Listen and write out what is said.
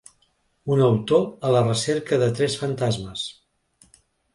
Un autor a la recerca de tres fantasmes.